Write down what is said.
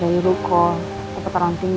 ada lumin di atas tempat